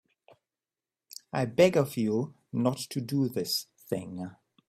I beg of you not to do this thing.